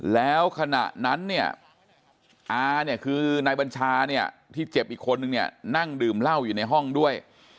แล้วขณะนั้นเนี่ยอาเนี่ยคือนายบัญชาเนี่ยที่เจ็บอีกคนนึงเนี่ยนั่งดื่มเหล้าอยู่ในห้องด้วย